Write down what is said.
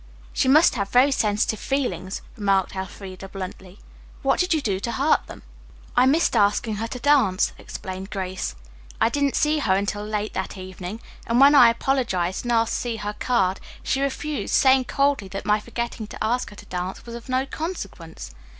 "She must have very sensitive feelings," remarked Elfreda bluntly. "What did you do to hurt them?" "I missed asking her to dance," explained Grace. "I didn't see her until late that evening, and when I apologized and asked to see her card she refused, saying coldly that my forgetting to ask her to dance was of no consequence.